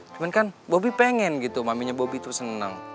cuman kan bobby pengen gitu maminya bobby tuh seneng